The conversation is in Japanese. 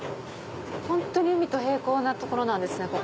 本当に海と並行な所なんですね。